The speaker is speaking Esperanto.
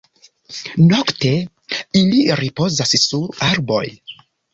Nokte ili ripozas sur arboj.